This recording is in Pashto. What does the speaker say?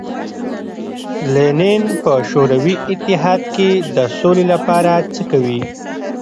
لینین په شوروي اتحاد کې د سولې لپاره څه کوي.